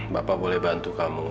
bapak boleh bantu kamu